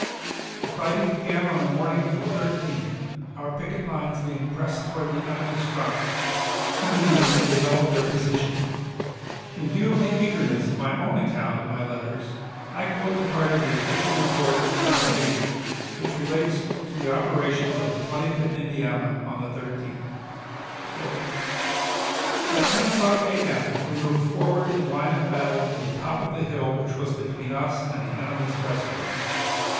The fighting began on the morning of the 13th, our picket lines being pressed toward the enemy's front, mainly to develop their position. In view of the eagerness of my own account in my letters, I quote the part of the official report of Colonel Veatch, which relates to the operations of the Twenty fifth Indiana on the 13th: "At 10 o'clock A.M. we moved forward in line of battle to the top of the hill which was between us and the enemy's breastworks.